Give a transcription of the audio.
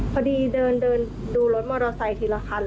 พอดีเดินดูรถมอเตอร์ไซค์ทีละคัน